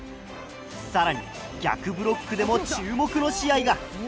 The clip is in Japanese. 更に逆ブロックでも注目の試合が。